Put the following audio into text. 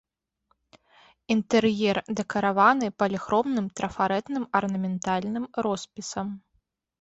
Інтэр'ер дэкарыраваны паліхромным трафарэтным арнаментальным роспісам.